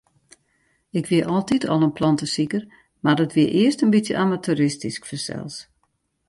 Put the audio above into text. Ik wie altyd al in plantesiker, mar dat wie earst in bytsje amateuristysk fansels.